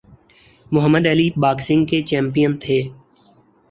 محمد Ali boxing کے champion تھے۔